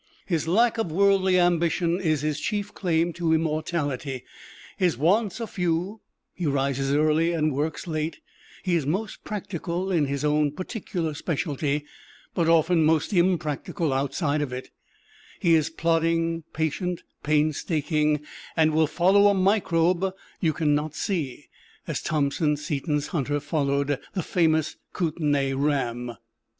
His lack of worldly ambition is his chief claim to immortality. His wants are few; he rises early and works late; he is most practical in his own particular specialty, but often most impractical outside of it; he is plodding, patient, painstaking, and will follow a microbe you can not see, as Thompson Seton's hunter followed the famous Kootenay ram.